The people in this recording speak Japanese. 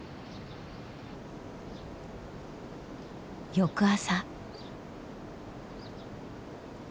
翌朝。